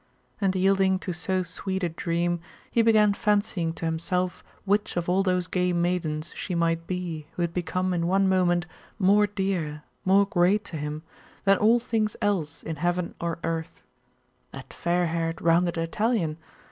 and yielding to so sweet a dream, he began fancying to himself which of all those gay maidens she might be who had become in one moment more dear, more great to him, than all things else in heaven or earth. That fair haired, rounded Italian?